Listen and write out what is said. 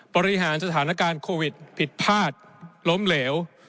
บริหารสถานการณ์โควิดผิดพลาดล้มเหลว